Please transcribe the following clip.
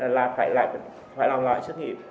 là phải làm loại xét nghiệm